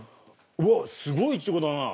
「うわっすごいイチゴだな。